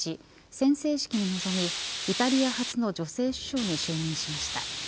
宣誓式に臨みイタリア初の女性首相に就任しました。